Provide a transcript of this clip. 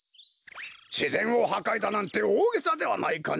しぜんをはかいだなんておおげさではないかね。